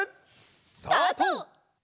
スタート！